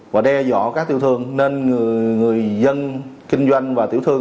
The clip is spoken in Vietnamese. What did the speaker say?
và đe dọa các tiểu thương nên người dân kinh doanh và tiểu thương